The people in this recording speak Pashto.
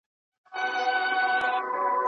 غریب سړی ابلک یې سپی.